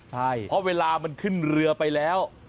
เพราะเวลามันขึ้นเรือไปแล้ว